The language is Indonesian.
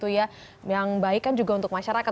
yang baik kan juga untuk masyarakat